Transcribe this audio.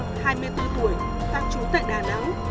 đây là trương thị kiều trang hai mươi bốn tuổi tàng trú tại đà nẵng